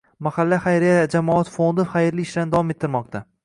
“Mahalla” xayriya jamoat fondi xayrli ishlarni davom ettirmoqda